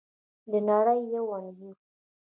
د نړۍ یو انځور